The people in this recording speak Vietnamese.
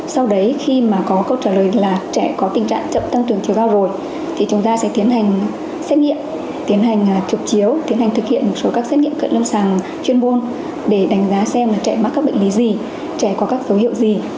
sau đấy khi mà có câu trả lời là trẻ có tình trạng chậm tăng trưởng chiều cao rồi thì chúng ta sẽ tiến hành xét nghiệm tiến hành chụp chiếu tiến hành thực hiện một số các xét nghiệm cận lâm sàng chuyên môn để đánh giá xem là trẻ mắc các bệnh lý gì trẻ có các dấu hiệu gì